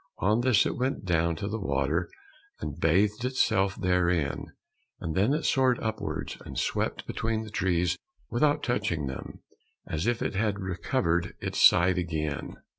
On this it went down to the water and bathed itself therein, and then it soared upwards and swept between the trees without touching them, as if it had recovered its sight again.